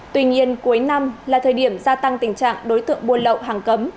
tuy nhiên cuối năm là thời điểm gia tăng tình trạng đối tượng buôn lậu hàng cấm